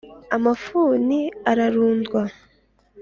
amafuni ararundwa,